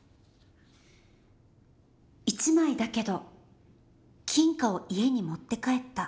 「一枚だけど金貨を家に持って帰った。